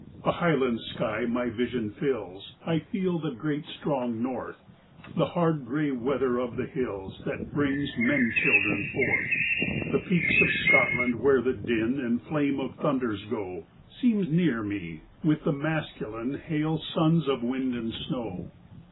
A Highland sky my vision fills; I feel the great, strong North The hard grey weather of the hills That brings men children forth. The peaks of Scotland, where the din And flame of thunders go, Seem near me, with the masculine, Hale sons of wind and snow.